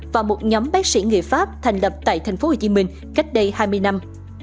và một nhóm bác sĩ người pháp thành lập tại tp hcm cách đây hai mươi năm